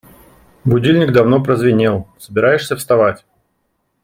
Будильник давно прозвенел, собираешься вставать?